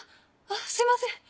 あっすいません。